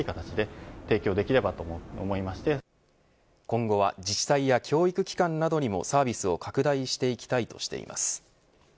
今後は自治体や教育機関などにもサービスを拡大していきたいとしています。